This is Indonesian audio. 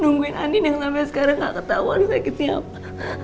nungguin anin yang sampai sekarang gak ketahuan sakitnya apa